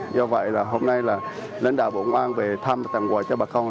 do vậy là hôm nay là lãnh đạo bộ công an về thăm và tặng quà cho bà con